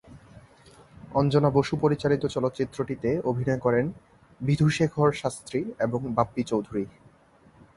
অঞ্জনা বসু পরিচালিত চলচ্চিত্রটিতে অভিনয় করেন বিধুশেখর শাস্ত্রী এবং বাপ্পি চৌধুরী।